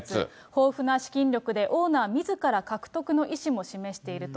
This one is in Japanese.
豊富な資金力でオーナーみずから獲得の意思も示していると。